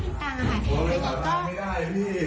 พี่สาบาลไม่ได้พี่